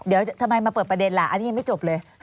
เดี๋ยวทำไมมาเปิดประเด็นล่ะอันนี้ยังไม่จบเลย